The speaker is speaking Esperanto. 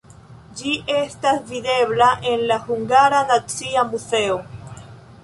Ĝi estas videbla en la Hungara Nacia Muzeo.